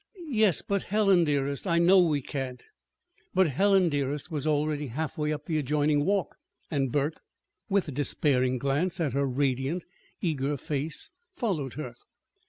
"Yes, but, Helen, dearest, I know we can't " But "Helen, dearest," was already halfway up the adjoining walk; and Burke, with a despairing glance at her radiant, eager face, followed her.